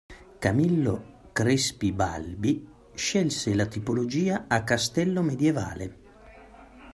Camillo Crespi Balbi scelse la tipologia a castello medievale.